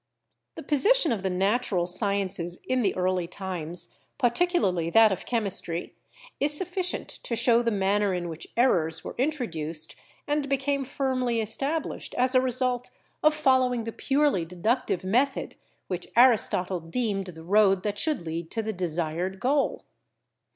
The posi tion of the natural sciences in the early times, particularly that of Chemistry, is sufficient to show the manner in which errors were introduced and became firmly estab lished as a result of following the purely deductive method, which Aristotle deemed the road that should lead to the desired goal.